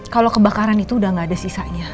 kalau kebakaran itu udah gak ada sisanya